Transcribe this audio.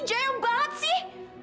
jaya banget sih